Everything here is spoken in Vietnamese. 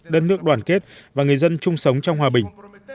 đất nước đoàn kết và người dân chung sống trong hòa bình